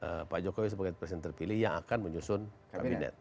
jadi kita sudah ada kemungkinan kita sebagai presiden terpilih yang akan menyusun kabinet